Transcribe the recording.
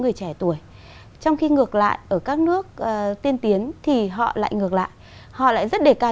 người trẻ tuổi trong khi ngược lại ở các nước tiên tiến thì họ lại ngược lại họ lại rất đề cao